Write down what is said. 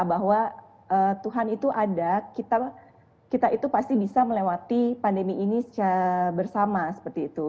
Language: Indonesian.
bahwa tuhan itu ada kita itu pasti bisa melewati pandemi ini bersama seperti itu